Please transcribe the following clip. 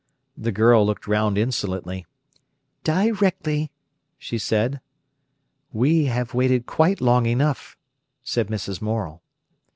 The girl looked round insolently. "Directly," she said. "We have waited quite long enough," said Mrs. Morel.